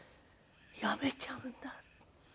やめちゃうんだって。